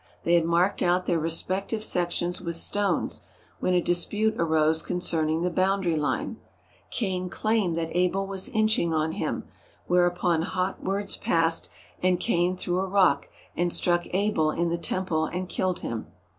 They had marked out their respective sections with stones, when a dispute arose concerning the boundary line. Cain claimed that Abel was inching on him, whereupon hot words passed, and Cain threw a rock and struck Abel in the temple and killed him.